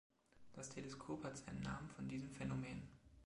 Das Teleskop hat seinen Namen von diesem Phänomen.